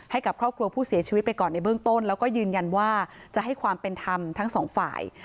ให้กับครอบครัวผู้เสียชีวิตไปก่อนในเบื้องต้นแล้วก็ยืนยันว่าจะให้ความเป็นธรรมทั้งสองฝ่าย